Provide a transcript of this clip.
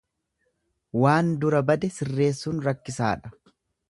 Waan dura bade sirreessuun rakkisaadha.